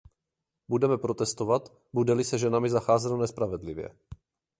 Budeme protestovat, bude-li se ženami zacházeno nespravedlivě.